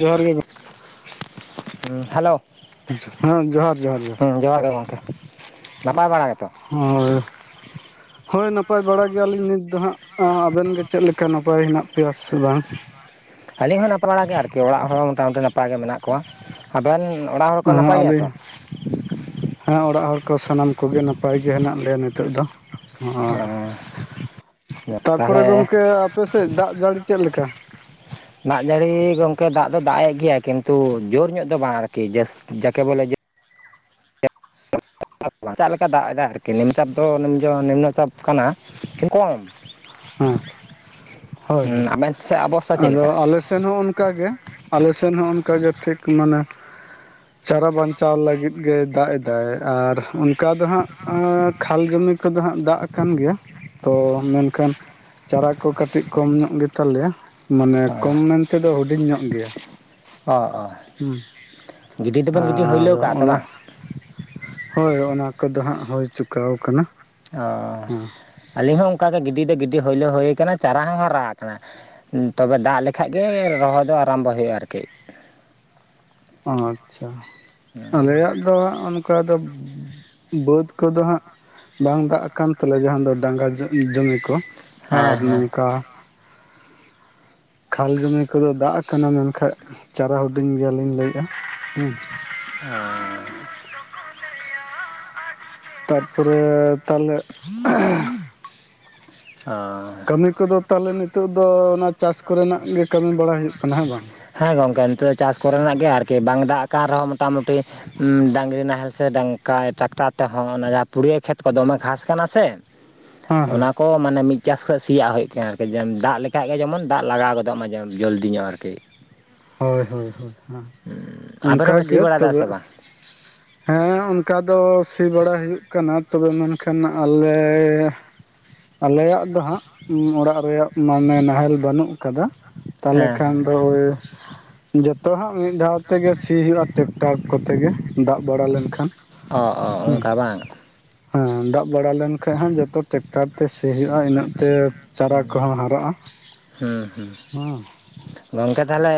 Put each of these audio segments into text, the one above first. ᱡᱚᱦᱟᱨ ᱜᱮ ᱦᱟᱞᱳ ᱦᱮᱸ ᱡᱚᱦᱟᱨ ᱡᱚᱦᱟᱨ ᱡᱚᱦᱟᱨ ᱡᱚᱦᱟᱨ ᱜᱮ ᱜᱚᱢᱠᱮ ᱟᱨᱻ ᱦᱚᱭ ᱱᱟᱯᱟᱭ ᱵᱟᱲᱟ ᱜᱮᱭᱟ ᱞᱤᱧ ᱱᱤᱛ ᱫᱚ ᱦᱟᱸᱜ ᱟᱵᱤᱱ ᱜᱮ ᱪᱮᱫ ᱞᱮᱠᱟ ᱱᱟᱯᱟᱭ ᱦᱮᱱᱟᱜ ᱯᱮᱭᱟ ᱥᱮ ᱵᱟᱝ? ᱟᱹᱞᱤᱧ ᱦᱚᱸ ᱱᱟᱯᱟᱭ ᱵᱟᱲᱟ ᱜᱮ ᱟᱨᱠᱤ ᱚᱲᱟᱜ ᱦᱚᱲ ᱦᱚᱸ ᱢᱚᱴᱟᱼᱢᱩᱴᱤ ᱱᱟᱯᱟᱭ ᱜᱮ ᱢᱮᱱᱟᱜ ᱠᱚᱣᱟ ᱟᱵᱮᱱᱼ ᱟᱸ ᱟᱞᱮ᱾ ᱦᱮᱸ ᱚᱲᱟᱜ ᱦᱚᱲ ᱠᱚ ᱥᱟᱱᱟᱢ ᱠᱚᱜᱮ ᱱᱟᱯᱟᱭ ᱜᱮ ᱦᱮᱱᱟᱜ ᱞᱮᱭᱟ ᱱᱤᱛᱚᱜ ᱫᱚ᱾ ᱚᱸ ᱛᱟᱯᱚᱨᱮ ᱛᱟᱦᱚᱞᱮ ᱜᱚᱝᱠᱮ ᱟᱯᱮ ᱥᱮᱫ ᱫᱟᱜ ᱡᱟᱲᱤ ᱪᱮᱫ ᱞᱮᱠᱟ? ᱫᱟᱜ ᱡᱟᱹᱲᱤ ᱜᱚᱝᱠᱮ ᱫᱟᱜ ᱫᱚ ᱫᱟᱜ ᱮᱜ ᱜᱮᱭᱟᱭ ᱠᱤᱱᱛᱩ ᱡᱩᱨ ᱧᱚᱜ ᱫᱚ ᱵᱟᱝ ᱟᱨ ᱠᱤ ᱡᱟᱹᱥ ᱡᱟᱠᱮ ᱵᱚᱞᱮ ᱡᱟᱼ ᱪᱟᱜ ᱞᱮᱠᱟ ᱫᱟᱜ ᱮᱫᱟᱭ ᱟᱨ ᱠᱤ ᱱᱤᱢ ᱪᱟᱯ ᱫᱚ ᱱᱤᱢ ᱡᱚ ᱱᱤᱢᱱᱚ ᱪᱟᱯ ᱠᱟᱱᱟ ᱠᱚᱢ᱾ ᱦᱟᱸ ᱦᱚᱭ ᱦᱚᱭ ᱦᱩᱸ ᱟᱵᱮᱱ ᱥᱮᱫ ᱚᱵᱚᱥᱛᱟ ᱪᱮᱫ ᱟᱫᱚ ᱞᱮᱠᱟ ᱟᱞᱮᱥᱼ ᱥᱮᱱ ᱦᱚᱸ ᱚᱱᱠᱟ ᱜᱮ ᱟᱞᱮ ᱥᱮᱱ ᱦᱚᱸ ᱚᱱᱠᱟ ᱜᱮ ᱴᱷᱤᱠ ᱢᱟᱱᱮᱼ ᱪᱟᱨᱟ ᱵᱟᱧᱪᱟᱣ ᱞᱟᱹᱜᱤᱫ ᱜᱮ ᱫᱟᱜ ᱮᱫᱟᱭ ᱟᱨ ᱚᱱᱼ ᱠᱟ ᱫᱚ ᱦᱟᱸᱜ ᱠᱷᱟᱞ ᱡᱩᱢᱤ ᱠᱚᱫᱚ ᱦᱟᱸᱜ ᱫᱟᱜ ᱠᱟᱱ ᱜᱮᱭᱟ ᱛᱚ ᱢᱮᱱ ᱠᱷᱟᱱ ᱪᱟᱨᱟ ᱠᱚ ᱠᱟᱴᱤᱡ ᱠᱚᱢ ᱧᱚᱜ ᱜᱮᱛᱟ ᱞᱮᱭᱟ᱾ ᱢᱟᱱᱮ ᱚ ᱠᱚᱢ ᱢᱮᱱᱛᱮ ᱫᱚ ᱦᱩᱰᱤᱧ ᱧᱚᱜ ᱜᱮᱭᱟ, ᱚ ᱚ ᱦᱩᱸ ᱜᱤᱰᱤ ᱫᱚᱵᱮᱱ ᱜᱤᱰᱤ ᱟᱨ ᱦᱩᱭᱞᱟᱹᱣ ᱠᱟᱜᱼᱟ ᱛᱚ ᱚᱱᱟ᱾ ᱵᱟᱝ ᱦᱳᱭ ᱚᱱᱟ ᱠᱚᱫᱚ ᱦᱟᱸᱜ ᱦᱳᱭ ᱪᱩᱠᱟᱣ ᱠᱟᱱᱟ ᱚᱸᱪᱷᱟ ᱦᱮᱸ ᱟᱹᱞᱤᱧ ᱦᱚᱸ ᱚᱱᱠᱟ ᱜᱮ ᱜᱤᱰᱤ ᱫᱚ ᱜᱤᱰᱤ ᱦᱚᱭᱞᱳ ᱦᱳᱭ ᱠᱟᱱᱟ ᱪᱟᱨᱟ ᱦᱚᱸ ᱦᱟᱨᱟ ᱠᱟᱱᱟ᱾ ᱩᱸ ᱛᱚᱵᱮ ᱫᱟᱜ ᱞᱮᱠᱷᱟᱡ ᱜᱮ ᱨᱚᱦᱚᱭ ᱫᱚ ᱟᱨᱟᱢᱵᱚ ᱦᱩᱭᱩᱜ-ᱟ ᱟᱨ ᱠᱤ ᱚᱸ ᱟᱪᱪᱷᱟ ᱟᱞᱮᱭᱟᱜ ᱫᱚ ᱚᱱᱠᱟ ᱫᱚᱵ ᱵᱟᱹᱫ ᱠᱚᱫᱚ ᱦᱟᱸᱜ ᱵᱟᱝ ᱫᱟᱜ ᱟᱠᱟᱱ ᱛᱟᱞᱮᱭᱟ ᱡᱟᱦᱟᱸ ᱫᱚ ᱰᱟᱸᱜᱟ ᱡᱚ ᱡᱚᱢᱤ ᱠᱚ᱾ ᱟᱨ ᱦᱮᱸ ᱦᱮᱸ ᱱᱚᱝᱠᱟ᱾ ᱠᱷᱟᱞ ᱡᱩᱢᱤ ᱠᱚᱫᱚ ᱫᱟᱜ ᱟᱠᱟᱱᱟ ᱢᱮᱱᱠᱷᱟᱡ ᱪᱟᱨᱟ ᱦᱩᱰᱤᱧ ᱜᱮᱭᱟ ᱞᱤᱧ ᱞᱟᱹᱭᱮᱜ-ᱟ, ᱦᱩᱸ᱾ ᱦᱟᱸ ᱛᱟᱨᱯᱚᱨᱮ ᱛᱟᱞᱮ ᱮᱦᱮᱸᱢ᱾ ᱚ ᱠᱟᱹᱢᱤ ᱠᱚᱫᱚ ᱛᱟᱦᱚᱞᱮ ᱱᱤᱛᱚᱜ ᱫᱚ ᱚᱱᱟ ᱪᱟᱥ ᱠᱚᱨᱮ ᱱᱟᱜ ᱜᱮ ᱠᱟᱹᱢᱤ ᱵᱟᱲᱟ ᱦᱩᱭᱩᱜ ᱠᱟᱱᱟ ᱦᱮᱸ ᱵᱟᱝ? ᱦᱮᱸ ᱜᱚᱝᱠᱮ ᱱᱤᱛᱚᱜ ᱫᱚ ᱪᱟᱥ ᱠᱚᱨᱮ ᱱᱟᱜ ᱜᱮ ᱟᱨ ᱠᱤ ᱵᱟᱝ ᱫᱟᱜ ᱟᱠᱟᱱ ᱨᱮᱦᱚᱸ ᱢᱚᱴᱟᱼᱢᱩᱴᱤ ᱩᱸ ᱰᱟᱝᱜᱨᱤ ᱱᱟᱦᱮᱞ ᱥᱮ ᱰᱟᱝ ᱠᱟᱭ ᱴᱨᱟᱠᱴᱟᱨ ᱛᱮᱦᱚᱸ ᱚᱱᱟ ᱡᱟᱦᱟᱸ ᱯᱩᱲᱭᱟᱹ ᱠᱷᱮᱛ ᱠᱚ ᱫᱚᱢᱮ ᱜᱷᱟᱸᱥ ᱠᱟᱱᱟ ᱥᱮ ᱦᱮᱸ ᱦᱮᱸ ᱚᱱᱟᱼᱼ ᱠᱚ ᱢᱟᱱᱮ ᱢᱤᱫ ᱪᱟᱥ ᱠᱚ ᱥᱤᱭᱟᱜ ᱦᱩᱭᱩᱜ ᱠᱟᱱᱟ ᱟᱨ ᱠᱤ ᱡᱚᱢ ᱫᱟᱜ ᱞᱮᱠᱟᱡ ᱜᱮ ᱡᱮᱢᱚᱱ ᱫᱟᱜ ᱞᱟᱜᱟᱣ ᱜᱚᱫᱚᱜ ᱢᱟ ᱡᱮᱢᱚᱱ ᱡᱚᱞᱫᱤ ᱧᱚᱜ ᱟᱨ ᱠᱤ ᱦᱚᱭ ᱦᱚᱭ ᱦᱳᱭ ᱦᱚᱸ ᱟᱵᱮᱱ ᱚᱱᱠᱟ ᱦᱚᱸᱵᱮᱱ ᱥᱤ ᱜᱮ ᱵᱟᱲᱟᱭᱮᱫᱟ ᱛᱚᱵᱮ ᱥᱮ ᱵᱟᱝ ᱦᱮᱸ ᱚᱱᱠᱟ ᱫᱚ ᱥᱤ ᱵᱟᱲᱟ ᱦᱩᱭᱩᱜ ᱠᱟᱱᱟ ᱛᱚᱵᱮ ᱢᱮᱱᱠᱷᱟᱱ ᱟᱞᱮ ᱟᱞᱮ ᱭᱟᱜ ᱫᱚ ᱦᱟᱸᱜ ᱢᱚ ᱚᱲᱟᱜ ᱨᱮᱭᱟᱜ ᱢᱟᱱᱮ ᱱᱟᱦᱮᱞ ᱵᱟᱱᱩᱜ ᱠᱟᱫᱟ᱾ ᱛᱟᱦᱚᱞᱮ ᱦᱮᱸ ᱠᱷᱟᱱ ᱦᱮᱸ ᱫᱚ ᱳᱭ ᱡᱚᱛᱼᱼ ᱛᱚ ᱦᱟᱸᱜ ᱢᱤᱫ ᱫᱷᱟᱣ ᱛᱮᱜᱮ ᱥᱤ ᱦᱩᱭᱩᱜ-ᱟ ᱴᱮᱠᱴᱟᱨ ᱠᱚᱛᱮ ᱜᱮ ᱫᱟᱜ ᱵᱟᱲᱟ ᱞᱮᱱᱠᱷᱟᱱ᱾ ᱚ ᱚ ᱦᱩᱸ ᱚᱝᱠᱟ ᱵᱟᱝ ᱦᱮᱸ ᱫᱟᱜ ᱵᱟᱲᱟ ᱞᱮᱱ ᱠᱷᱟᱡ ᱦᱟᱸᱜ ᱡᱚᱛᱚ ᱴᱮᱠᱴᱟᱨ ᱛᱮ ᱥᱮ ᱦᱳᱭᱳᱜ-ᱟ ᱤᱱᱟᱹᱜ ᱛᱮ ᱪᱟᱨᱟ ᱠᱚ ᱦᱚᱸ ᱦᱟᱨᱟᱜ-ᱟ, ᱩᱸ ᱜᱚᱝᱠᱮ ᱛᱟᱦᱚᱞᱮ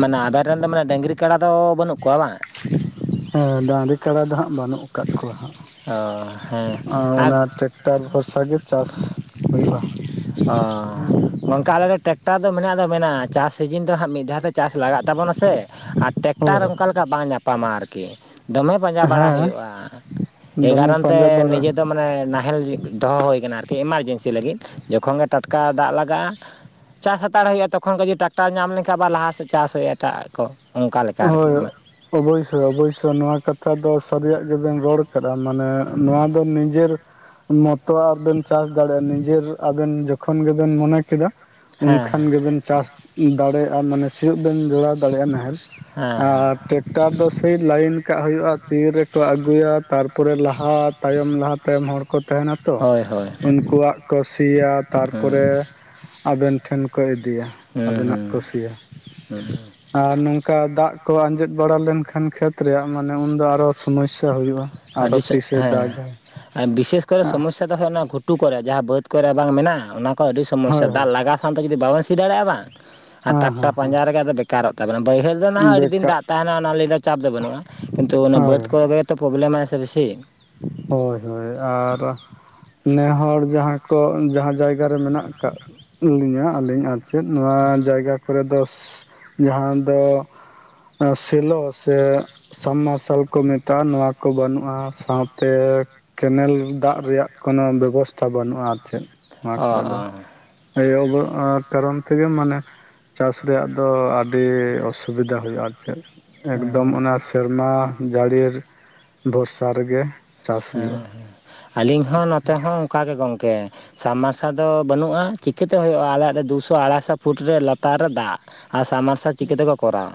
ᱢᱟᱱᱮ ᱟᱵᱮᱱ ᱨᱮᱱ ᱫᱚ ᱢᱟᱱᱮ ᱰᱟᱹᱝᱜᱽᱨᱤ ᱠᱟᱰᱟ ᱫᱚ ᱵᱟᱹᱱᱩᱜ ᱠᱚᱣᱟ ᱵᱟᱝ ᱦᱮᱸ ᱰᱟᱺᱝᱨᱤ ᱠᱟᱰᱟ ᱫᱚ ᱦᱟᱸᱜ ᱵᱟᱱᱩᱜ ᱟᱠᱟᱫ ᱠᱚᱣᱟ ᱦᱟᱸᱜ ᱚ ᱟᱨ ᱚᱱᱟ ᱛᱮ ᱴᱨᱠᱴᱟᱨ ᱵᱷᱚᱨᱥᱟ ᱜᱮ ᱪᱟᱥ ᱦᱳᱭᱳᱼᱟ᱾ ᱚᱸ ᱵᱟᱝᱠᱟ ᱟᱞᱮ ᱫᱚ ᱴᱮᱠᱴᱟᱨ ᱫᱚ ᱢᱮᱱᱟᱜ ᱫᱚ ᱢᱮᱱᱟᱜ-ᱟ ᱪᱟᱥ ᱥᱤᱡᱤᱱ ᱫᱚ ᱦᱟᱸᱜ ᱢᱤᱫ ᱫᱷᱟᱣ ᱛᱮ ᱪᱟᱥ ᱞᱟᱜᱟᱜ ᱛᱟᱵᱚᱱᱟ ᱥᱮ ᱟᱨ ᱦᱳᱭ ᱴᱮᱠᱴᱟᱨ ᱦᱳᱭ ᱚᱱᱠᱟ ᱞᱮᱠᱟ ᱵᱟᱝ ᱧᱟᱯᱟᱢᱟ ᱟᱨ ᱠᱤ ᱫᱚᱢᱮ ᱯᱟᱸᱡᱟ ᱵᱟᱲᱟ ᱦᱮᱸ ᱦᱩᱭᱩᱜ- ᱟ ᱮ ᱫᱚᱢᱮ ᱠᱟᱨᱚᱱ ᱛᱮ ᱯᱟᱸᱡᱟ ᱵᱟᱲᱟ ᱱᱤᱡᱟᱹ ᱢᱟᱱᱮ ᱱᱟᱦᱮᱞ ᱡᱮ ᱫᱚᱦᱚ ᱦᱩᱭ ᱠᱟᱱᱟ ᱟᱨ ᱠᱤ ᱮᱢᱟᱨ ᱡᱮᱱᱥᱤ ᱞᱟᱹᱜᱤᱫ ᱡᱚᱠᱷᱚᱱ ᱜᱮ ᱴᱟᱴᱠᱟ ᱫᱟᱜ ᱞᱟᱜᱟᱜ-ᱟ ᱪᱟᱥ ᱦᱟᱛᱟᱲ ᱦᱩᱭᱩᱜ-ᱟ ᱛᱚᱠᱷᱚᱱ ᱠᱷᱚᱡ ᱡᱤ ᱴᱨᱟᱠᱴᱟᱨ ᱧᱟᱢ ᱞᱮᱱᱠᱷᱟᱱ ᱟᱵᱟᱨ ᱞᱟᱦᱟ ᱥᱮᱫ ᱪᱟᱥ ᱦᱩᱭᱩᱜ-ᱟ ᱮᱴᱟᱜ ᱟᱜ ᱠᱚ ᱚᱱᱠᱟ ᱞᱮᱠᱟ ᱟᱨᱠᱤ ᱦᱚᱭ ᱚᱵᱚᱭᱥᱥᱚ ᱚᱵᱚᱭᱥᱥᱚ ᱱᱚᱣᱟ ᱠᱟᱛᱷᱟ ᱫᱚ ᱥᱟᱨᱤ ᱭᱟᱜ ᱜᱤᱵᱮᱱ ᱨᱚᱲ ᱠᱟᱫᱟ ᱢᱟᱱᱮ ᱱᱚᱣᱟ ᱫᱚ ᱱᱤᱡᱮᱨ ᱢᱚᱛᱚ ᱣᱟᱜ ᱵᱮᱱ ᱪᱟᱥ ᱫᱟᱲᱮᱜ-ᱟ ᱱᱤᱡᱮᱨ ᱟᱵᱮᱱ ᱡᱚᱠᱷᱚᱱ ᱜᱤᱵᱮᱱ ᱢᱚᱱᱮ ᱠᱮᱫᱟᱼᱼ ᱦᱮᱸ ᱩᱱᱠᱷᱟᱱ ᱜᱮᱵᱮᱱ ᱪᱟᱥ ᱫᱟᱲᱮᱭᱟᱜᱼᱟ ᱢᱟᱱᱮ ᱥᱤᱭᱳᱜ ᱵᱮᱱ ᱡᱚᱲᱟᱣ ᱫᱟᱲᱮᱭᱟᱜᱼᱟ᱾ ᱱᱟᱦᱮᱞ ᱟᱨ ᱦᱮᱸ ᱦᱮᱸ ᱴᱨᱟᱠᱴᱟᱨ ᱫᱚ ᱥᱮᱭ ᱞᱟᱭᱤᱱ ᱠᱟᱜ ᱦᱩᱭᱩᱜᱼᱟ ᱛᱤᱨᱮ ᱠᱚ ᱟᱹᱜᱩᱭᱟ ᱛᱟᱨᱯᱚᱨᱮ ᱞᱟᱦᱟ ᱛᱟᱭᱚᱢ ᱞᱟᱦᱟ ᱛᱟᱭᱚᱢ ᱦᱚᱲ ᱠᱚ ᱛᱟᱦᱮᱱᱟ ᱛᱚ ᱦᱳᱭ ᱦᱳᱭ ᱩᱱᱠᱩᱣᱟᱜ ᱠᱚ ᱥᱤᱭᱟ ᱦᱮᱸ ᱛᱟᱨᱯᱚᱨᱮ ᱟᱵᱮᱱ ᱴᱷᱮᱱ ᱠᱚ ᱤᱫᱤᱭᱟ ᱟᱵᱤᱱᱟᱜ ᱦᱩᱸ ᱠᱚ ᱥᱤᱭᱟ ᱦᱩᱸ ᱦᱩᱸ ᱟᱨ ᱱᱚᱝ- ᱱᱚᱝᱠᱟ ᱫᱟᱜ ᱠᱚ ᱟᱸᱡᱮᱫ ᱵᱟᱲᱟ ᱞᱮᱱᱠᱷᱟᱱ ᱠᱷᱮᱛ ᱨᱮᱭᱟᱜ ᱢᱟᱱᱮ ᱩᱱᱫᱚ ᱟᱨᱦᱚ ᱥᱚᱢᱚᱥᱥᱟ ᱦᱩᱭᱩᱜᱼᱟ᱾ ᱟᱨᱚ ᱟᱹᱰᱤ ᱥᱮᱜ ᱛᱤᱥᱮ ᱫᱟᱜᱟᱭ ᱦᱮᱸ ᱵᱤᱥᱮᱥ ᱠᱚᱨᱮ ᱥᱚᱢᱚᱥᱥᱟ ᱚᱱᱟ ᱜᱷᱩᱴᱩ ᱠᱚᱨᱮ ᱡᱟᱦᱟᱸ ᱵᱟᱹᱫᱽ ᱠᱚᱨᱮ ᱵᱟᱝ ᱢᱮᱱᱟᱜᱼᱟ ᱚᱱᱟ ᱠᱚ ᱟᱹᱰᱤ ᱦᱳᱭ ᱥᱚᱢᱚᱥᱥᱟ ᱦᱳᱭ ᱫᱟᱜ ᱦᱮᱸ ᱞᱟᱜᱟ ᱢᱤᱫ ᱥᱟᱶ ᱛᱮ ᱡᱩᱫᱤ ᱵᱟᱵᱮᱱ ᱥᱤ ᱫᱟᱲᱮᱭᱟᱜᱼᱟ ᱵᱟᱝ ᱟᱨ ᱦᱮᱸ ᱴᱨᱟᱠᱴᱟᱨ ᱯᱟᱸᱡᱟ ᱨᱮᱜᱮ ᱟᱫᱚ ᱵᱮᱠᱟᱨᱚᱜ ᱛᱟᱵᱚᱱᱟ ᱵᱟᱹᱭᱦᱟᱹᱲ ᱨᱮ ᱱᱟ ᱦᱮᱸ ᱦᱚᱸᱭ ᱟᱹᱰᱤ ᱫᱤᱱ ᱵᱮᱠᱟ ᱫᱟᱜ ᱛᱟᱦᱮᱱᱟ ᱚᱱᱟ ᱞᱟᱹᱜᱤᱫ ᱫᱚ ᱪᱟᱯ ᱫᱚ ᱵᱟᱹᱱᱩᱜᱼᱟ ᱠᱤᱱᱛᱩ ᱚᱱᱟ ᱦᱳᱭ ᱵᱟᱹᱫᱽ ᱠᱚᱨᱮ ᱛᱚ ᱯᱨᱚᱵᱞᱮᱢᱟᱭ ᱥᱮ ᱵᱮᱥᱤ ᱦᱳᱭ ᱦᱳᱭ ᱟᱨ ᱱᱮ ᱦᱚᱲ ᱡᱟᱦᱟᱸ ᱠᱚ ᱡᱟᱦᱟᱸ ᱡᱟᱭᱜᱟ ᱡᱟᱭᱜᱟ ᱨᱮ ᱢᱮᱱᱟᱜ ᱠᱟᱜ ᱞᱤᱧᱟᱹ ᱟᱹᱞᱤᱧ ᱟᱨ ᱪᱮᱫ ᱱᱚᱣᱟ ᱡᱟᱭᱜᱟ ᱠᱚᱨᱮ ᱫᱚ ᱡᱟᱦᱟᱸ ᱫᱚ ᱥᱮᱞᱚ ᱥᱮ ᱥᱟᱢᱟᱥᱮᱞ ᱠᱚ ᱢᱮᱛᱟᱜ ᱱᱚᱣᱟ ᱠᱚ ᱵᱟᱹᱱᱩᱜᱼᱟ ᱥᱟᱶᱛᱮ ᱛᱮ ᱠᱮᱱᱮᱞ ᱫᱟᱜ ᱨᱮᱭᱟᱜ ᱠᱳᱱᱳ ᱵᱮᱵᱚᱥᱛᱷᱟ ᱵᱟᱹᱱᱩᱜᱼᱟ ᱟᱨ ᱪᱮᱫ ᱱᱚᱣᱟ ᱚ ᱠᱚᱨᱮ ᱫᱚ ᱚ ᱱᱤᱭᱟ ᱠᱚ ᱠᱟᱨᱚᱱ ᱛᱮᱜᱮ ᱢᱟᱱᱮ ᱪᱟᱥ ᱨᱮᱭᱟᱜ ᱫᱚ ᱟᱹᱰᱤ ᱚᱥᱩᱵᱤᱫᱟ ᱦᱩᱭᱩᱜᱼᱟ ᱟᱨ ᱪᱮᱫ ᱮᱠᱫᱚᱢ ᱦᱮᱸ ᱚᱱᱟ ᱥᱮᱨᱢᱟ ᱡᱟᱹᱲᱤ ᱵᱷᱚᱨᱥᱟ ᱨᱮᱜᱮ᱾ ᱪᱟᱥ ᱦᱩᱭᱩᱜᱼᱟ ᱦᱮᱸ ᱦᱮᱸ ᱟᱹᱞᱤᱧ ᱦᱚᱸ ᱱᱚᱛᱮ ᱦᱚᱸ ᱚᱱᱠᱟ ᱜᱮ ᱜᱚᱢᱠᱮ ᱥᱟᱵᱽᱢᱟᱨᱥᱟᱞ ᱫᱚ ᱵᱟᱹᱱᱩᱜᱼᱟ ᱪᱤᱠᱟᱹᱛᱮ ᱦᱩᱭᱩᱜᱼᱟ ᱟᱞᱮᱭᱟᱜ ᱫᱚ ᱫᱩ ᱥᱚ ᱟᱲᱟᱭᱥᱚ ᱯᱷᱩᱴ ᱨᱮ ᱞᱟᱛᱟᱨ ᱨᱮ ᱫᱟᱜ᱾ ᱟᱨ ᱥᱟᱵᱢᱟᱨᱥᱟᱞ ᱪᱤᱠᱟᱹᱛᱮᱠᱚ ᱠᱚᱨᱟᱣᱟ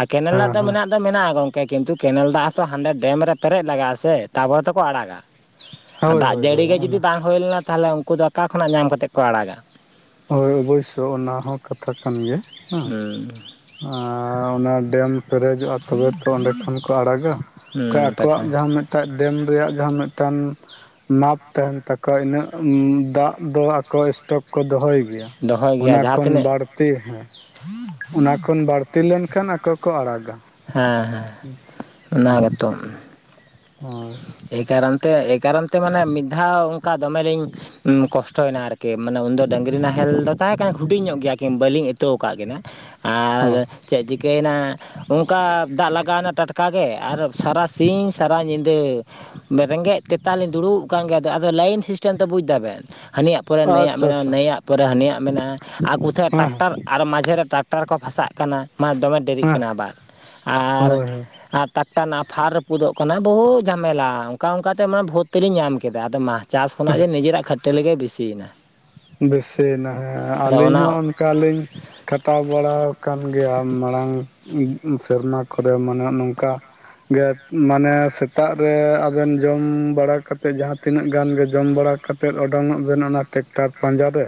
ᱟᱨ ᱠᱮᱱᱮᱞ ᱨᱮᱱᱟᱜ ᱦᱮᱸ ᱫᱟᱜ ᱦᱮᱸ ᱢᱮᱱᱟᱜ ᱫᱚ ᱢᱮᱱᱟᱜᱼᱟ ᱜᱚᱝᱠᱮ ᱠᱤᱱᱛᱩ ᱠᱮᱱᱮᱞ ᱫᱟᱜ ᱦᱚᱛᱚ ᱦᱟᱸᱰᱮ ᱰᱮᱢ ᱨᱮ ᱯᱮᱨᱮᱡ ᱞᱟᱜᱟᱜᱼᱟ ᱥᱮ ᱛᱟᱯᱚᱨᱮ ᱛᱮᱠᱚ ᱟᱲᱟᱜᱼᱟ᱾ ᱟᱨ ᱦᱳᱭ ᱫᱟᱜ ᱦᱳᱭ ᱡᱟᱹᱲᱤ ᱦᱳᱭ ᱜᱮ ᱡᱩᱫᱤ ᱚᱱᱟ ᱵᱟᱝ ᱦᱩᱭ ᱞᱮᱱᱟ ᱛᱟᱦᱞᱮ ᱩᱱᱠᱩ ᱫᱚ ᱚᱠᱟ ᱠᱷᱚᱱᱟᱜ ᱧᱟᱢ ᱠᱟᱛᱮ ᱠᱚ ᱟᱲᱟᱜᱟ᱾ ᱦᱳᱭ ᱚᱵᱚᱥᱳᱭ ᱚᱱᱟ ᱦᱚᱸ ᱠᱟᱛᱷᱟ ᱠᱟᱱ ᱜᱮᱭᱟ᱾ ᱦᱮᱸ ᱦᱩᱸ ᱟᱨ ᱚᱱᱟ ᱰᱮᱢ ᱯᱮᱨᱮᱡᱚᱜᱼᱟ ᱛᱚᱵᱮ ᱛᱚ ᱚᱸᱰᱮ ᱠᱷᱚᱱ ᱠᱚ ᱟᱲᱟᱜᱟ ᱵᱟᱠᱷᱟᱡ ᱦᱩᱸ ᱟᱠᱚᱣᱟᱜ ᱛᱟᱠᱚ ᱡᱟᱦᱟᱸ ᱢᱤᱫ ᱢᱤᱫᱴᱟᱜ ᱰᱮᱢ ᱨᱮᱭᱟᱜ ᱡᱟᱦᱟᱸ ᱢᱤᱫᱴᱟᱝ ᱢᱟᱯ ᱛᱟᱦᱮᱱ ᱛᱟᱠᱚᱣᱟ ᱤᱱᱟᱹᱜ ᱫᱟᱜ ᱫᱚ ᱟᱠᱚ ᱥᱴᱚᱠ ᱠᱚ ᱫᱚᱦᱚᱭ ᱜᱮᱭᱟ᱾ ᱫᱚᱦᱚᱭ ᱜᱮᱭᱟ ᱚᱱᱟ ᱡᱟᱦᱟᱸ ᱠᱷᱚᱱ ᱛᱤᱱᱟᱹᱜ ᱵᱟᱹᱲᱛᱤ ᱦᱚᱸ᱾ [inaudible] ᱚᱱᱟ ᱠᱷᱚᱱ ᱵᱟᱹᱲᱛᱤ ᱞᱮᱱ ᱠᱷᱟᱱ ᱟᱠᱚ ᱠᱚ ᱟᱲᱟᱜᱼᱟ᱾ᱦᱩᱸ ᱦᱮᱸ ᱦᱮᱸ ᱚᱱᱟ ᱜᱮᱛᱚ ᱦᱚᱭ ᱮᱭ ᱠᱟᱨᱚᱱ ᱛᱮ ᱮᱭ ᱠᱟᱨᱚᱱ ᱛᱮ ᱢᱟᱱᱮ ᱢᱤᱫ ᱫᱷᱟᱣ ᱚᱱᱠᱟ ᱫᱚᱢᱮᱞᱤᱧ ᱠᱚᱥᱴᱚᱭᱮᱱᱟ ᱟᱨᱠᱤ ᱢᱟᱱᱮ ᱩᱱᱫᱚ ᱰᱟᱹᱝᱨᱤ ᱱᱟᱦᱮᱞ ᱫᱚ ᱛᱟᱦᱮᱸ ᱠᱟᱱᱟ ᱦᱩᱰᱤᱧ ᱧᱚᱜ ᱜᱮᱭᱟ ᱠᱤᱱ ᱵᱟᱹᱞᱤᱧ ᱤᱛᱳ ᱟᱠᱟᱫ ᱠᱤᱱᱟᱹ᱾ ᱟᱨ ᱦᱳᱭ ᱪᱮᱫ ᱪᱤᱠᱟᱹᱭᱮᱱᱟ ᱚᱱᱠᱟ ᱫᱟᱜ ᱞᱟᱜᱟᱣᱮᱱᱟ ᱴᱟᱴᱠᱟᱜᱮ ᱟᱨ ᱥᱟᱨᱟ ᱥᱤᱧ ᱥᱟᱨᱟ ᱧᱤᱫᱟᱹ ᱨᱮᱸᱜᱮᱡ ᱛᱮᱛᱟᱝ ᱞᱤᱧ ᱫᱩᱲᱩᱵ ᱠᱟᱱ ᱜᱮᱭᱟ ᱟᱫᱚ ᱞᱟᱭᱤᱱ ᱥᱤᱥᱴᱮᱢ ᱛᱚ ᱵᱩᱡ ᱫᱟᱵᱮᱱ᱾ ᱦᱟᱹᱱᱤᱭᱟᱜ ᱯᱚᱨᱮ ᱱᱟᱹᱭᱟᱜ ᱟᱪᱪᱷᱟ ᱢᱮᱱᱟᱜᱼᱟ ᱟᱪᱪᱷᱟ ᱱᱟᱹᱭᱟᱜ ᱯᱚᱨᱮ ᱦᱟᱱᱤᱭᱟᱜ ᱢᱮᱱᱟᱜᱼᱟ ᱟᱠᱚ ᱦᱮᱸ ᱴᱟᱠᱴᱟᱨ ᱟᱨ ᱢᱟᱡᱷᱮᱨᱮ ᱴᱨᱟᱠᱴᱟᱨ ᱠᱚ ᱯᱷᱟᱥᱟᱜᱼᱟ ᱢᱟ ᱫᱚᱢᱮ ᱰᱮᱨᱤᱜ ᱦᱮᱸ ᱠᱟᱱᱟ ᱟᱵᱟᱨ ᱟᱨ ᱦᱳᱭ ᱦᱳᱭ ᱟᱨ ᱢᱤᱫᱴᱟᱱ ᱟᱯᱷᱟᱨ ᱨᱟᱹᱯᱩᱫᱚᱜ ᱠᱟᱱᱟ ᱵᱚᱦᱩ ᱡᱷᱟᱢᱮᱞᱟ ᱚᱱᱠᱟ ᱚᱱᱠᱟᱛᱮ ᱢᱟ ᱵᱷᱩᱨ ᱛᱮᱞᱤᱧ ᱧᱟᱢ ᱠᱮᱫᱟ ᱟᱫᱚ ᱢᱟ ᱪᱟᱥ ᱠᱷᱚᱱᱟᱜ ᱜᱮ ᱱᱤᱡᱮᱨᱟᱜ ᱠᱷᱟᱹᱴᱟᱹᱞᱤ ᱜᱮ ᱵᱤᱥᱤᱭᱮᱱᱟ᱾ ᱵᱮᱥᱤᱭᱮᱱᱟ ᱦᱮᱸ ᱟᱹᱞᱤᱧ ᱚᱱᱟ ᱦᱚᱸ ᱚᱱᱠᱟᱞᱤᱧ ᱠᱷᱟᱴᱟᱣ ᱵᱟᱲᱟ ᱟᱠᱟᱱ ᱜᱮᱭᱟ ᱢᱟᱲᱟᱝ ᱥᱮᱨᱢᱟ ᱠᱚᱨᱮ ᱢᱟᱱᱮ ᱱᱚᱝᱠᱟ ᱜᱮ ᱢᱟᱱᱮ ᱥᱮᱛᱟᱜ ᱨᱮ ᱟᱵᱮᱱ ᱡᱚᱢ ᱵᱟᱲᱟ ᱠᱟᱛᱮ ᱡᱟᱦᱟᱸᱛᱤᱱᱟᱹᱜ ᱜᱟᱱ ᱜᱮ ᱡᱚᱢ ᱵᱟᱲᱟ ᱠᱟᱛᱮᱫ ᱚᱸᱰᱩᱝ ᱚᱸᱜ ᱵᱮᱱ ᱚᱱᱟ ᱴᱨᱠᱴᱟᱨ ᱯᱟᱸᱡᱟ ᱨᱮ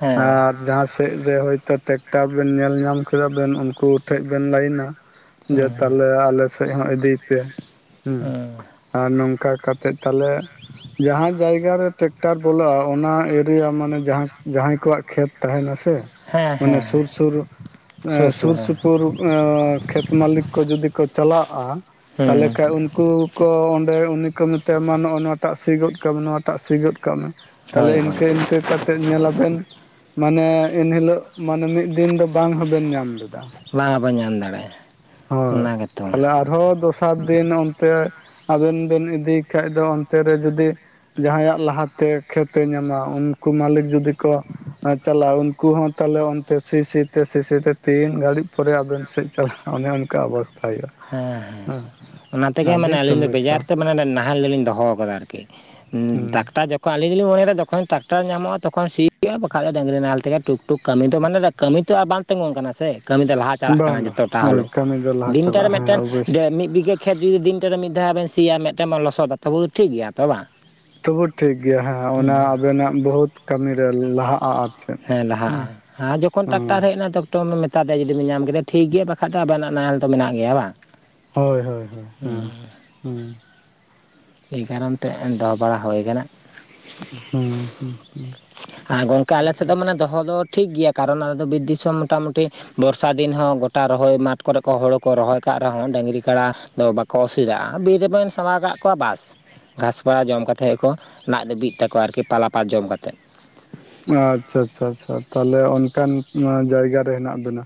ᱦᱮᱸ ᱟᱨ ᱡᱟᱦᱟᱸ ᱥᱮᱫ ᱨᱮ ᱦᱚᱳᱛᱚ ᱴᱨᱠᱴᱟᱨ ᱵᱮᱱ ᱧᱮᱞ ᱧᱟᱢ ᱠᱮᱫᱟ ᱵᱮᱱ ᱩᱱᱠᱩ ᱴᱷᱮᱱ ᱵᱮᱱ ᱞᱟᱹᱭᱤᱱᱟ ᱡᱮ ᱦᱩᱸ ᱛᱟᱦᱞᱮ ᱟᱞᱮ ᱥᱮᱫ ᱦᱚᱸ ᱤᱫᱤᱭ ᱯᱮ ᱦᱩᱸ ᱟᱨ ᱱᱚᱝᱠᱟ ᱠᱟᱛᱮᱜ ᱛᱟᱦᱞᱮ ᱡᱟᱦᱟᱸ ᱡᱟᱭᱜᱟ ᱨᱮ ᱴᱮᱠᱴᱟᱨ ᱵᱚᱞᱚᱜᱼᱟ ᱚᱱᱟ ᱮ ᱨᱤᱭᱟ ᱢᱟᱱᱮ ᱡᱟᱦᱟᱸᱭ ᱠᱚᱣᱟᱜ ᱠᱷᱮᱛ ᱛᱟᱦᱮᱱᱟ ᱥᱮ ᱥᱮ ᱦᱮᱸ ᱢᱟᱱᱮ ᱦᱮᱸ ᱦᱮᱸ ᱥᱩᱨ ᱥᱩᱨ ᱥᱩᱨ ᱥᱩᱯᱩᱨ ᱠᱷᱮᱛ ᱢᱟᱹᱞᱤᱠ ᱠᱚ ᱡᱩᱫᱤ ᱠᱚ ᱪᱟᱞᱟᱜᱼᱟ ᱛᱟᱦᱚᱞᱮ ᱦᱩᱸ ᱠᱷᱟᱱ ᱩᱱᱠᱩ ᱠᱚ ᱚᱸᱰᱮ ᱩᱱᱤ ᱠᱚ ᱢᱮᱛᱟᱭᱟ ᱱᱚᱜᱼᱚ ᱱᱚᱣᱟᱴᱟᱜ ᱥᱤ ᱜᱚᱫ ᱠᱟᱜ ᱢᱮ ᱱᱚᱣᱟᱴᱟᱜ ᱥᱤ ᱜᱚᱫ ᱠᱟᱜ ᱢᱮ ᱛᱟᱦᱞᱮ ᱦᱳᱭ ᱦᱳᱭ ᱤᱱᱠᱟᱹ ᱤᱱᱠᱟᱹ ᱠᱟᱛᱮ ᱧᱮᱞᱟᱵᱮᱱ ᱢᱟᱱᱮ ᱮᱱᱦᱤᱞᱳᱜ ᱢᱟᱱᱮ ᱢᱤᱫ ᱫᱤᱱ ᱫᱚ ᱵᱟᱝ ᱦᱚᱸᱵᱮᱱ ᱧᱟᱢ ᱞᱮᱫᱟ ᱵᱟᱝ ᱵᱚᱱ ᱧᱟᱢ ᱫᱟᱲᱮᱭᱟᱜᱼᱟ ᱦᱳᱭ ᱚᱱᱟ ᱜᱮᱛᱚ ᱦᱮᱸ ᱛᱟᱦᱮ [unintelligible] ᱫᱷᱚ ᱫᱚᱥᱟᱨ ᱫᱤᱱ ᱚᱱᱛᱮ ᱟᱵᱮᱱ ᱵᱮᱱ ᱤᱫᱤ ᱠᱷᱟᱱᱡ ᱫᱚ ᱚᱱᱛᱮ ᱨᱮ ᱡᱩᱫᱤ ᱡᱟᱦᱟᱸᱭᱟᱜ ᱞᱟᱦᱟᱛᱮ ᱠᱷᱮᱛᱮ ᱧᱟᱢᱟ ᱩᱱᱠᱩ ᱢᱟᱹᱞᱤᱠ ᱡᱩᱫᱤ ᱠᱚ ᱪᱟᱞᱟᱜᱼᱟ ᱩᱱᱠᱩ ᱦᱚᱸ ᱛᱟᱦᱞᱮ ᱚᱱᱛᱮ ᱥᱤ ᱥᱤᱛᱮ ᱥᱤ ᱥᱤᱛᱮ ᱛᱤᱱ ᱜᱷᱟᱹᱲᱤᱡ ᱯᱚᱨᱮ ᱟᱵᱮᱱ ᱥᱮᱫ ᱪᱟᱞᱟ ᱚᱱᱮ ᱚᱱᱠᱟ ᱚᱵᱚᱥ ᱦᱮᱸ ᱦᱮᱸ ᱚᱱᱟ ᱛᱮᱜᱮ ᱟᱹᱰᱤ ᱢᱟᱱᱮ ᱟᱹᱞᱤᱧ ᱫᱚ ᱥᱚᱢᱚᱥᱥᱟ ᱵᱮᱡᱟᱨ ᱛᱮ ᱢᱟᱱᱮ ᱱᱟᱦᱮᱞ ᱫᱚᱞᱤᱧ ᱫᱚᱦᱚ ᱟᱠᱟᱫᱟ ᱟᱨᱠᱤ ᱦᱮᱸ ᱫᱟᱜᱛᱟ ᱡᱚᱠ ᱟᱹᱞᱤᱧ ᱫᱚᱞᱤᱧ ᱢᱚᱱᱮᱭᱟ ᱡᱚᱠᱷᱚᱱ ᱴᱨᱟᱠᱴᱟᱨ ᱟᱞᱤᱧ ᱞᱤᱧ ᱢᱚᱱᱮᱭᱮᱫᱟ ᱡᱚᱠᱷᱚᱡ ᱴᱮᱨᱟᱠᱴᱟᱨ ᱧᱟᱢᱚᱜᱼᱟ ᱛᱚᱠᱷᱚᱱ ᱥᱤ ᱦᱩᱭᱩᱼᱟ ᱵᱟᱠᱷᱟᱡ ᱰᱟᱝᱨᱤ ᱱᱟᱦᱮᱞ ᱛᱮᱜᱮ ᱴᱩᱠ ᱴᱩᱠ ᱠᱟᱹᱢᱤ ᱫᱚ ᱢᱟᱱᱮ ᱠᱟᱹᱢᱤ ᱛᱚ ᱟᱨ ᱵᱟᱝ ᱛᱤᱜᱩᱱ ᱠᱟᱱᱟ ᱥᱮ ᱠᱟᱹᱢᱤ ᱫᱚ ᱞᱟᱦᱟ ᱪᱟᱞᱟᱜ ᱠᱟᱱᱟ ᱵᱟᱝ ᱵᱟᱝ ᱡᱚᱛᱚᱴᱟ ᱦᱳᱭ ᱦᱚᱞᱳ ᱠᱟᱹᱢᱤ ᱫᱚ ᱞᱟᱦᱟ ᱫᱤᱱᱴᱟ ᱨᱮ ᱪᱟᱞᱟᱜᱼᱟ [inaudible] ᱦᱮᱸ ᱚᱵᱚᱥᱥᱳᱭ ᱢᱤᱫ ᱵᱤᱜᱷᱟ. ᱠᱷᱮᱛ ᱡᱩᱫᱤ ᱫᱤᱱᱱᱟ ᱨᱮ ᱢᱤᱫ ᱫᱷᱟᱣ ᱵᱮᱱ ᱥᱤᱭᱟ ᱢᱤᱫᱴᱮᱱ ᱵᱮᱱ ᱞᱚᱥᱚᱫᱟ ᱫᱟ ᱴᱷᱤᱠ ᱜᱮᱭᱟ ᱛᱚ ᱵᱟᱝ ᱛᱚᱵᱩ ᱴᱷᱤᱠᱜᱮᱭᱟ ᱦᱮᱸ ᱚᱱᱟ ᱟᱵᱮᱱᱟᱜ ᱵᱚᱦᱩᱛ ᱠᱟᱹᱢᱤᱨᱮ ᱞᱟᱦᱟᱜᱼᱟ ᱟᱨ ᱦᱮᱸ ᱞᱟᱦᱟᱜᱼᱟ ᱟᱨ ᱡᱚᱠᱷᱚᱱ ᱴᱨᱟᱠᱴᱟᱨ ᱦᱮᱡ ᱛᱚ ᱮᱴᱚᱢᱮ ᱢᱮᱛᱟ ᱫᱮᱭᱟ ᱡᱩᱫᱤᱢ ᱧᱟᱢ ᱠᱮᱫᱮᱭᱟ ᱴᱷᱤᱠ ᱜᱮᱭᱟ ᱵᱟᱠᱷᱟ ᱫᱚ ᱟᱵᱮᱱᱟᱜ ᱱᱟᱦᱮᱞ ᱫᱚ ᱢᱮᱱᱟᱜ ᱜᱮᱭᱟ ᱵᱟᱝ ᱦᱳᱭ ᱦᱳᱭ ᱦᱳᱭ ᱦᱩᱸ ᱦᱩᱸ ᱮᱭ ᱠᱟᱨᱚᱱ ᱛᱮ ᱫᱚᱦᱚ ᱵᱟᱲᱟ ᱦᱩᱭ ᱠᱟᱱᱟ ᱦᱩᱸ ᱦᱩᱸ ᱟᱨ ᱜᱚᱝᱠᱮ ᱟᱞᱮ ᱥᱮᱫ ᱫᱚ ᱢᱟᱱᱮ ᱦᱩᱸ ᱫᱚᱦᱚ ᱫᱚ ᱴᱷᱤᱠ ᱜᱮᱭᱟ ᱠᱟᱨᱚᱱ ᱟᱞᱮᱫᱚ ᱵᱤᱨ ᱫᱤᱥᱚᱢ ᱢᱚᱴᱟᱢᱩᱴᱤ ᱵᱚᱨᱥᱟ ᱫᱤᱱ ᱦᱚᱸ ᱜᱚᱴᱟ ᱨᱚᱦᱚᱭ ᱢᱟᱴᱷ ᱠᱚᱨᱮ ᱠᱚ ᱦᱩᱲᱩ ᱠᱚ ᱨᱚᱦᱚᱭ ᱠᱟᱜ ᱨᱮᱦᱚᱸ ᱰᱟᱹᱝᱨᱤ ᱠᱟᱲᱟ ᱫᱚ ᱵᱟ ᱚᱥᱵᱤᱫᱷᱟ ᱵᱤᱨ ᱨᱮᱵᱮᱱ ᱥᱟᱵᱟ ᱠᱟᱜ ᱛᱚᱣᱟ ᱵᱟᱥ ᱜᱷᱟᱸᱥ ᱠᱚ ᱡᱚᱢ ᱠᱟ ᱠᱟᱛᱮᱫ ᱠᱚ ᱞᱟᱫ ᱞᱟᱹᱵᱤᱜ ᱛᱟᱠᱚᱣᱟ ᱟᱨᱠᱤ ᱯᱟᱞᱟ ᱯᱟᱛ ᱡᱚᱢ ᱠᱟᱛᱮᱫ ᱟᱪᱪᱷᱟ ᱪᱷᱟ ᱪᱟᱷᱟ ᱛᱟᱦᱞᱮ ᱚᱱᱠᱟᱱ ᱡᱟᱭᱜᱟᱟᱨ ᱨᱮ ᱦᱮᱱᱟᱜ ᱵᱮᱱᱟ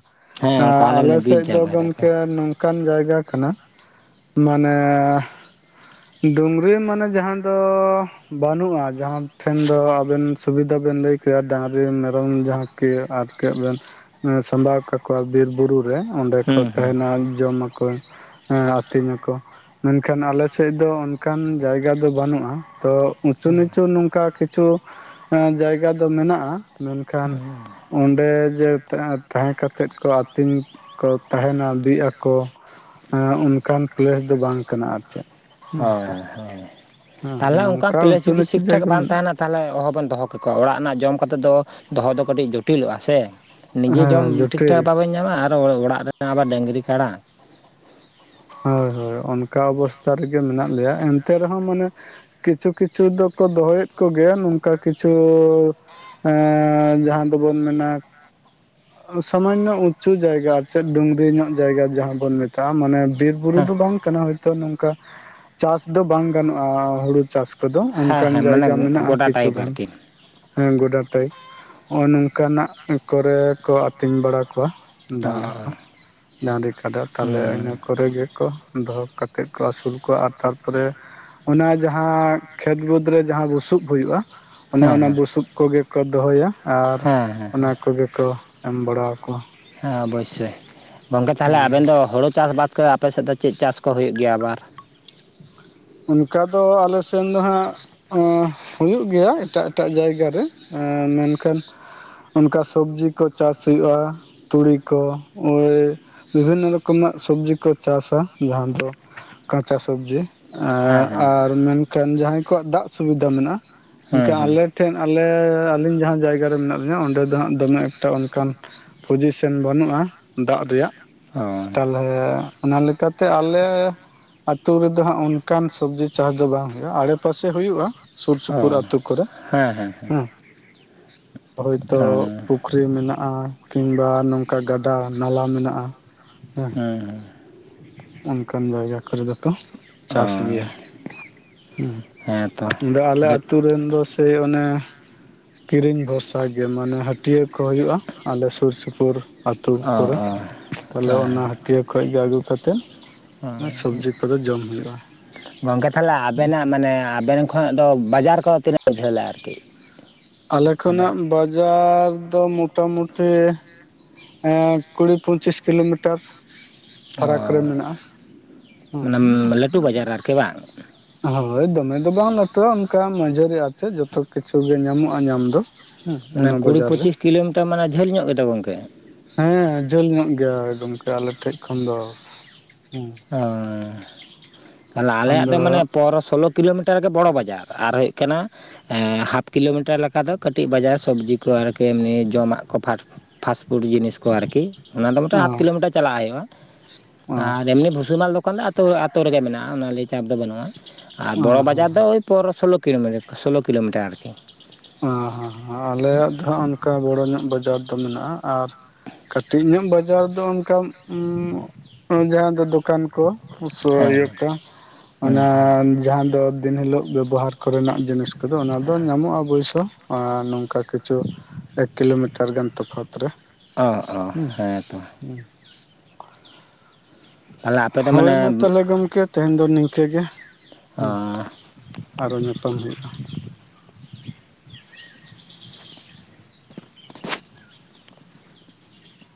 ᱟ ᱦᱮᱸ ᱚᱱᱠᱟ ᱟᱞᱮ ᱢᱟᱱᱮ ᱵᱤᱨ ᱥᱮᱫ ᱫᱚ ᱡᱟᱭᱜᱟ ᱨᱮ ᱟᱨᱠᱤ ᱜᱚᱝᱠᱮ ᱚᱱᱠᱟᱱ ᱡᱟᱭᱜᱟ ᱠᱟᱱᱟ ᱢᱟᱱᱮ ᱰᱩᱝᱨᱤ ᱢᱟᱱᱮ ᱡᱟᱦᱟᱸ ᱫᱚ ᱵᱟᱹᱱᱩᱜᱼᱟ ᱡᱟᱦᱟᱸ ᱴᱷᱮᱱ ᱫᱚ ᱟᱵᱮᱱ ᱥᱩᱵᱤᱫᱷᱟ ᱵᱮᱱ ᱞᱟᱹᱭ ᱠᱮᱭᱟ ᱰᱟᱝᱨᱤ ᱢᱮᱨᱚᱢ ᱡᱟᱦᱟᱸ ᱠᱮ ᱟᱨᱠ ᱵᱮᱱ ᱥᱟᱢᱵᱟᱣ ᱠᱟᱠᱚᱣᱟ ᱵᱤᱨ ᱵᱩᱨᱩ ᱚᱸᱰᱮ ᱠᱚ ᱦᱩᱸ ᱦᱩᱸ ᱛᱟᱦᱮᱱᱟ ᱡᱚᱢᱟᱠᱚ ᱟᱹᱛᱤᱧ ᱟᱠᱚ ᱢᱮᱱᱠᱷᱟᱱ ᱟᱞᱮ ᱥᱮᱫ ᱫᱚ ᱚᱱᱠᱟᱱ ᱡᱟᱭᱜᱟ ᱫᱚ ᱵᱟᱹᱱᱩᱜᱼᱟ ᱛᱚ ᱩᱪᱩ ᱱᱤᱪᱩ ᱱᱚᱝᱠᱟ ᱠᱤᱪᱷᱩ ᱡᱟᱭᱜᱟ ᱫᱚ ᱢᱮᱱᱟᱜᱼᱟ ᱢᱮᱱᱠᱷᱟᱱ ᱚᱸᱰᱮ ᱡᱮ ᱛᱟᱦᱮᱸ ᱠᱟᱛᱮᱫ ᱠᱚ ᱟᱹᱛᱤᱧ ᱠᱚ ᱛᱟᱦᱮᱱᱟ ᱵᱤᱜ ᱟᱠᱚ ᱚᱱᱠᱟᱱ ᱯᱞᱮᱥ ᱫᱚ ᱵᱟᱝ ᱠᱟᱱᱟ ᱟᱨ ᱪᱮᱫ ᱦᱮᱸ ᱦᱭ ᱦᱭ ᱦᱮᱸ ᱛᱟᱦᱚᱞᱮ ᱚᱱᱠᱟ ᱱᱚᱝᱠᱟ ᱯᱞᱮᱥ ᱩᱸᱪᱩ ᱡᱩᱫᱤ ᱱᱤᱪᱩ ᱴᱷᱤᱠᱴᱷᱟᱠ ᱡᱟᱭᱜᱟ ᱵᱟᱝ ᱢᱮᱱᱟᱜᱼᱟ ᱛᱟᱦᱮᱱᱟ ᱛᱟᱦᱚᱞᱮ ᱚᱦᱚᱵᱮᱱ ᱫᱚᱦᱚ ᱠᱮᱠᱚᱣᱟ ᱚᱲᱟᱜ ᱨᱮᱱᱟᱜ ᱡᱚᱢ ᱠᱟᱛᱮ ᱫᱚ ᱫᱚᱦᱚ ᱫᱚ ᱠᱟᱹᱴᱤᱡ ᱡᱚᱴᱤᱞᱚᱜᱼᱟ ᱥᱮ ᱱᱤᱡᱮ ᱡᱚᱢ ᱦᱮᱸ ᱡᱚᱴᱤᱞ ᱴᱷᱤᱠᱴᱷᱟᱠ ᱵᱟᱝᱵᱮᱱ ᱧᱟᱢᱟ ᱟᱨ ᱚᱲᱟᱜ ᱨᱮᱱᱟᱜ ᱟᱵᱟᱨ ᱰᱟᱹᱝᱨᱤ ᱠᱟᱲᱟ ᱦᱳᱭ ᱦᱳᱭ ᱚᱱᱠᱟ ᱚᱵᱚᱥᱛᱟ ᱨᱮᱜᱮ ᱢᱮᱱᱟᱜ ᱞᱮᱭᱟ ᱮᱱᱛᱮ ᱨᱮᱦᱚᱸ ᱢᱟᱱᱮ ᱠᱤᱪᱷᱩ ᱠᱤᱪᱷᱩ ᱫᱚᱠᱚ ᱫᱚᱦᱚᱭᱮᱫ ᱠᱚᱜᱮᱭᱟ ᱱᱚᱝᱠᱟ ᱠᱤᱪᱷᱩ ᱮᱼ ᱡᱟᱦᱟᱸ ᱫᱚᱵᱚᱱ ᱢᱮᱱᱟ ᱥᱟᱢᱟᱱᱱᱚ ᱩᱪᱩ ᱡᱟᱭᱜᱟ ᱪᱮᱫ ᱰᱩᱝᱨᱤ ᱧᱚᱜ ᱡᱟᱭᱜᱟ ᱡᱟᱦᱟᱸ ᱵᱚᱱ ᱢᱮᱛᱟᱜᱼᱟ ᱢᱟᱱᱮ ᱵᱤᱨ ᱵᱩᱨᱩ ᱦᱮᱸ ᱫᱚ ᱵᱟᱝ ᱠᱟᱱᱟ ᱦᱭᱛᱚ ᱱᱚᱝᱠᱟ ᱪᱟᱥ ᱫᱚ ᱵᱟᱝ ᱜᱟᱱᱚᱜᱼᱟ ᱦᱩᱲᱩ ᱪᱟᱥ ᱠᱚᱫᱚ ᱦᱮᱸ ᱚᱱᱠᱟᱱ ᱦᱮᱸ ᱢᱟᱱᱮ ᱡᱟᱭᱜᱟ ᱢᱮᱱᱟᱜᱼᱟ ᱜᱚᱰᱟ ᱠᱤᱪᱷᱩ ᱴᱟᱭᱤᱯ ᱜᱟᱱ ᱟᱨᱠᱤ ᱦᱮᱸ ᱜᱚᱰᱟ ᱴᱟᱭᱤᱯ ᱱᱚᱜᱼᱚᱭ ᱱᱚᱝᱠᱟᱱᱟᱜ ᱠᱚᱨᱮ ᱠᱚ ᱟᱹᱛᱤᱧ ᱵᱟᱲᱟ ᱠᱚᱣᱟ ᱚ ᱰᱟᱝᱨᱤ ᱠᱚ ᱰᱟᱝᱨᱤ ᱠᱟᱰᱟ ᱛᱟᱦᱚᱞᱮ ᱦᱩᱸ ᱤᱱᱟ ᱠᱚᱨᱮ ᱜᱮᱠᱚ ᱫᱚᱦᱚ ᱠᱟᱛᱮᱫ ᱠᱚ ᱟᱹᱥᱩᱞ ᱠᱚᱣᱟ ᱟᱨ ᱛᱟᱨᱯᱚᱨᱮ ᱚᱱᱟ ᱡᱟᱦᱟᱸ ᱠᱷᱮᱛ ᱵᱟᱹᱫᱽ ᱨᱮ ᱡᱟᱦᱟᱸ ᱵᱩᱥᱩᱵ ᱦᱳᱭᱳᱜᱼᱟ ᱚᱱᱮ ᱦᱮᱸ ᱚᱱᱟ ᱦᱮᱸ ᱵᱩᱥᱩᱵ ᱠᱚᱜᱮ ᱠᱚ ᱫᱚᱦᱚᱭᱟ ᱟᱨ ᱦᱮᱸ ᱦᱮᱸ ᱚᱱᱟ ᱠᱚᱜᱮ ᱠᱚ ᱮᱢ ᱵᱟᱲᱟ ᱟᱠᱚᱣᱟ ᱦᱮᱸ ᱚᱵᱚᱥᱳᱭ ᱜᱚᱝᱠᱮ ᱛᱟᱦᱚᱞᱮ ᱟᱵᱮᱱ ᱫᱚ ᱦᱩᱲᱩ ᱪᱟᱥ ᱵᱟᱫ ᱟᱯᱮ ᱥᱮᱫ ᱫᱚ ᱪᱮᱫ ᱪᱟᱥ ᱠᱚ ᱦᱩᱭᱩᱜ ᱜᱮᱭᱟ ᱟᱵᱟᱨ ᱚᱱᱠᱟ ᱫᱚ ᱟᱞᱮᱥᱱ ᱫᱚᱦᱟᱸᱜ ᱮᱸ ᱦᱩᱭᱩᱜ ᱜᱮᱭᱟ ᱮᱴᱟᱜ ᱮᱴᱟᱜ ᱡᱟᱭᱜᱟ ᱨᱮ ᱮᱸ ᱢᱮᱱᱠᱷᱟᱱ ᱚᱱᱠᱟ ᱥᱚᱵᱡᱤ ᱠᱚ ᱪᱟᱥ ᱦᱩᱭ ᱼᱼᱩᱜᱼᱟ ᱛᱩᱲᱤ ᱠᱚ ᱳᱭ ᱵᱤᱵᱷᱤᱱᱱᱚ ᱨᱚᱠᱚᱢᱟᱜ ᱥᱚᱵᱡᱤ ᱠᱚ ᱪᱟᱥᱟ ᱡᱟᱦᱟᱸ ᱫᱚ ᱠᱟᱸᱪᱟ ᱥᱚᱵᱡᱤ ᱦᱮᱸ ᱦᱮᱸ ᱟᱨ ᱢᱮᱱᱠᱷᱟᱱ ᱡᱟᱦᱟᱸᱭ ᱠᱚᱣᱟᱜ ᱫᱟᱜ ᱥᱩᱵᱤᱫᱷᱟ ᱢᱮᱱᱟᱜᱼᱟ ᱦᱮᱸ ᱢᱮᱱᱱᱠᱷᱟᱱ ᱦᱮᱸ ᱟᱞᱮ ᱴᱷᱮᱱ ᱟᱞᱮ ᱟᱹᱞᱤᱧ ᱡᱟᱦᱟᱸ ᱡᱟᱭᱜᱟ ᱨᱮ ᱢᱮᱱᱟᱜ ᱞᱤᱧᱟᱹ ᱚᱸᱰᱮ ᱫᱚ ᱦᱟᱸᱜ ᱫᱚᱢᱮ ᱮᱠᱴᱟ ᱚᱱᱠᱟᱱ ᱯᱚᱡᱤᱥᱮᱱ ᱵᱟᱹᱱᱩᱜᱼᱟ ᱫᱟᱜ ᱨᱮᱭᱟᱜ ᱚᱨ ᱛᱟᱦᱮ ᱚᱱᱟ ᱞᱮᱠᱟᱛᱮ ᱟᱞᱮ ᱟᱹᱛᱩ ᱨᱮᱫᱚ ᱦᱟᱸᱜ ᱚᱱᱠᱟᱱ ᱥᱚᱵᱽᱡᱤ ᱪᱟᱥ ᱫᱚ ᱵᱟᱝ ᱦᱩᱭᱩᱜᱼᱟ ᱟᱲᱮ ᱯᱟᱥᱮ ᱦᱩᱭᱩᱜᱼᱟ ᱥᱩᱨ ᱚ ᱥᱩᱯᱩᱨ ᱟᱛᱳ ᱠᱚᱨᱮ ᱦᱮᱸ ᱦᱚᱭᱛᱚ ᱚ ᱯᱩᱠᱷᱨᱤ ᱢᱮᱱᱟᱜᱼᱟ ᱠᱤᱱᱵᱟ ᱱᱚᱝᱠᱟ ᱜᱟᱰᱟ ᱱᱟᱞᱟ ᱢᱮᱱᱟᱜᱼᱟ ᱦᱮ ᱦᱮᱸ ᱚᱱᱠᱟᱱ ᱡᱟᱭᱜᱟ ᱠᱚᱨᱮ ᱫᱚᱠᱚ ᱦᱮᱸ ᱚ ᱪᱟᱥ ᱜᱮᱭᱟ ᱦᱮᱸᱛᱚ ᱟᱫᱚ ᱟᱞᱮ ᱟᱛᱳ ᱨᱮᱱ ᱫᱚ ᱥᱮ ᱚᱱᱮ ᱠᱤᱨᱤᱧ ᱵᱷᱚᱨᱥᱟ ᱜᱮ ᱢᱟᱱᱮ ᱦᱟᱹᱴᱤᱭᱟᱹ ᱠᱚ ᱦᱩᱭᱩᱜᱼᱟ ᱟᱞᱮ ᱥᱩᱨ ᱥᱩᱯᱩᱨ ᱟᱛᱳ ᱚ ᱠᱚᱨᱮ ᱚ ᱛᱟᱦᱚᱞᱮ ᱦᱮᱸ ᱚᱱᱟ ᱦᱟᱹᱴᱤᱭᱟᱹ ᱠᱷᱚᱱ ᱜᱮ ᱟᱹᱜᱩ ᱠᱟᱛᱮᱫ ᱦᱮᱸ ᱥᱚᱵᱡᱤ ᱠᱚᱫᱚ ᱡᱚᱢ ᱦᱩᱭᱩᱜᱼᱟ ᱜᱚᱝᱠᱮ ᱮ? ᱧᱧᱷ ᱼᱨᱯᱪᱪ ᱢᱟᱱᱮ ᱟᱵᱮᱱ ᱠᱷᱚᱱᱟᱜ ᱫᱚ ᱵᱟᱡᱟᱨ ᱠᱚ ᱛᱤᱱᱟᱹᱜ ᱡᱷᱟᱹᱞᱟ ᱟᱨᱠᱤᱮ ᱟᱞᱮ ᱠᱷᱚᱱᱟᱜ ᱵᱟ- ᱡᱟᱨ ᱫᱚ ᱢᱚᱴᱟ ᱢᱩᱴᱤ ᱠᱩᱲᱤ ᱯᱚᱪᱤᱥ ᱠᱤᱞᱳᱢᱤᱴᱟᱨ ᱚ ᱯᱷᱟᱨᱟᱠ ᱨᱮ ᱢᱮᱱᱟᱜᱼᱟ ᱢᱟᱱᱮ ᱞᱟᱹᱴᱩ ᱵᱟᱡᱟᱨ ᱟᱨᱠᱤ ᱵᱟᱝ? ᱦᱳᱭ ᱫᱚᱢᱮ ᱫᱚ ᱵᱟᱝ ᱞᱟᱹᱴᱩᱼᱟ ᱚᱱᱠᱟ ᱢᱟᱡᱷᱟᱹᱨᱤ ᱟᱛᱮ ᱡᱚᱛᱚ ᱠᱤᱪᱷᱩ ᱜᱮ ᱧᱟᱢᱚᱜᱼᱟ ᱧᱟᱢ ᱫᱚ ᱦᱮᱸ ᱚᱱᱮ ᱚᱱᱟ ᱠᱩᱲᱤ ᱵᱟᱡᱟᱨ ᱨᱮ ᱯᱚᱸᱪᱤᱥ ᱠᱤᱞᱳᱢᱤᱴᱟᱨ ᱢᱟᱱᱮ ᱡᱷᱟᱹᱞ ᱧᱚᱜ ᱜᱮᱛᱫᱚ ᱜᱚᱝᱠᱮ ᱦᱮᱸ ᱡᱷᱟᱹᱞ ᱧᱚᱜ ᱜᱮᱭᱟ ᱜᱚᱢᱠᱮ ᱟᱞᱮᱴᱷᱮᱡ ᱠᱷᱚᱱ ᱫᱚ ᱦᱩᱸ ᱚ ᱛᱟᱦᱚᱞᱮ ᱟᱞᱮᱭᱟᱜ ᱫᱚ ᱢᱟᱱᱮ ᱟᱫᱚ ᱯᱚᱱᱨᱚ ᱥᱳᱞᱳ ᱠᱤᱞᱳᱢᱤᱴᱟᱨ ᱜᱮ ᱵᱚᱲᱚ ᱵᱟᱡᱟᱨ ᱟᱨ ᱦᱩᱭᱩᱜ ᱠᱟᱱᱟ ᱮᱸᱻᱮᱸ ᱦᱟᱯ ᱠᱤᱞᱳᱢᱤᱴᱟᱨ ᱞᱮᱠᱟ ᱫᱚ ᱠᱟᱹᱴᱤᱡ ᱵᱟᱡᱟᱨ ᱥᱚᱵᱽᱡᱤ ᱠᱚ ᱟᱨᱠᱤ ᱮᱢᱱᱤ ᱡᱚᱢᱟᱜ ᱠᱚ ᱯᱷᱟᱴ ᱯᱷᱟᱥᱯᱷᱩᱰ ᱡᱤᱱᱤᱥ ᱠᱚ ᱟᱨᱠᱤ ᱚᱱᱟ ᱫᱚ ᱢᱤᱫᱴᱮᱱ ᱦᱟᱯ ᱚᱸ ᱠᱤᱞᱳᱢᱤᱴᱟᱨ ᱪᱟᱞᱟᱜ ᱦᱩᱭᱩᱜᱼᱟ ᱚᱸ ᱟᱨ ᱮᱢᱱᱤ ᱵᱷᱩᱥᱤ ᱢᱟᱞ ᱫᱚᱠᱟᱱ ᱫᱚ ᱟᱛᱳ ᱟᱛᱳ ᱨᱮᱜᱮ ᱢᱮᱱᱟᱜᱼᱟ ᱚᱱᱟ ᱞᱤᱭᱮ ᱪᱟᱯ ᱫᱚ ᱵᱟᱹᱱᱩᱜᱼᱟ ᱟᱨ ᱵᱚᱲᱚ ᱚᱸ ᱦᱚᱸ ᱵᱟᱡᱟᱨ ᱫᱚ ᱳᱭ ᱯᱚᱱᱮᱨ ᱥᱳᱞᱳ ᱠᱤᱞᱳ ᱥᱳᱞᱳ ᱠᱤᱞᱳᱢᱤᱴᱟᱨ ᱟᱨᱠᱤ ᱚᱸ ᱦᱚᱸ ᱦᱚᱸ ᱟᱞᱮᱭᱟᱜ ᱫᱚ ᱦᱟᱸᱜ ᱚᱱᱠᱟ ᱵᱚᱲᱚ ᱧᱚᱜ ᱵᱟᱡᱟᱨ ᱫᱚ ᱢᱮᱱᱟᱜᱼᱟ ᱟᱨ ᱠᱟᱹᱴᱤᱡ ᱧᱚᱜ ᱵᱟᱡᱟᱨ ᱫᱚ ᱚᱱᱠᱟ ᱡᱟᱦᱟᱸ ᱫᱚ ᱫᱚᱠᱟᱱ ᱠᱚ ᱯᱩᱥᱟᱹ ᱦᱮᱸ ᱦᱩᱭᱩᱜ ᱦᱮᱸ ᱡᱟᱱ ᱦᱩᱸ ᱚᱱᱟ ᱦᱩᱸ ᱡᱟᱦᱟᱸ ᱫᱚ ᱫᱤᱱ ᱦᱤᱞᱳᱜ ᱵᱮᱵᱚᱦᱟᱨ ᱠᱚᱨᱮᱱᱟᱜ ᱡᱤᱱᱤᱥ ᱠᱚᱫᱚ ᱚᱱᱟ ᱫᱚ ᱧᱟᱢᱚᱜᱼᱟ ᱚᱵᱚᱹᱭᱥᱚ ᱟᱨ ᱱᱚᱝᱠᱟ ᱠᱤᱪᱷᱩ ᱮᱠ ᱠᱤᱞᱳᱢᱤᱴᱟᱨ ᱜᱟᱱ ᱛᱚᱯᱷᱟᱛ ᱨᱮ ᱚ ᱚ ᱦᱮᱸ ᱛᱚ ᱦᱩᱸ ᱛᱟᱦᱚᱞᱮ ᱟᱯᱮ ᱫᱚ ᱦᱳᱭ ᱢᱟᱱᱮ ᱢᱟ ᱛᱟᱦᱚᱞᱮ ᱜᱚᱢᱠᱮ ᱛᱮᱦᱮᱧ ᱫᱚ ᱱᱤᱝᱠᱟᱹ ᱜᱮ ᱦᱩᱸ ᱚ ᱟᱨᱦᱚ ᱧᱟᱯᱟᱢ ᱦᱩᱭᱩᱜᱼᱟ [unintelligible]